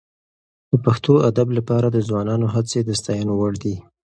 د پښتو ادب لپاره د ځوانانو هڅې د ستاینې وړ دي.